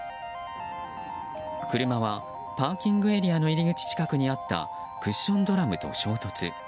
車はパーキングエリアの入り口近くにあったクッションドラムと衝突。